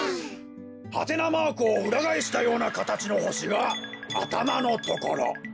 はてなマークをうらがえしたようなかたちのほしがあたまのところ。